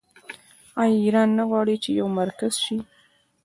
آیا ایران نه غواړي چې یو مرکز شي؟